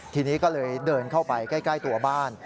ทีนี้ก็เลยเดินเข้าไปใกล้ตัวบ้าน